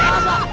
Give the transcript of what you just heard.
pak pak asap